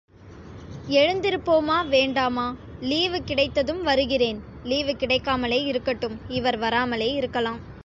எழுந்திருப்போமா, வேண்டாமா? லீவு கிடைத்ததும் வருகிறேன். லீவு கிடைக்காமலே இருக்கட்டும் இவர் வராமலே இருக்கலாம்.